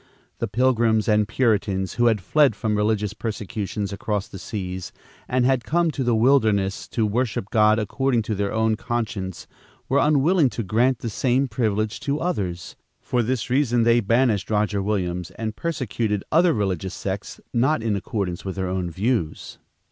The Pilgrims and Puritans who had fled from religious persecutions across the seas, and had come to the wilderness to worship God according to their own conscience were unwilling to grant the same privilege to others. For this reason they banished Roger Williams and persecuted other religious sects not in accordance with their own views.